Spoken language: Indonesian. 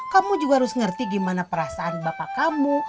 kamu juga harus ngerti gimana perasaan bapak kamu